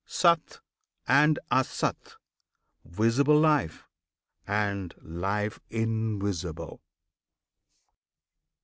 SAT and ASAT, Visible Life, And Life Invisible!